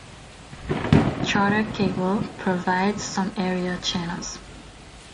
Charter Cable provides some area channels.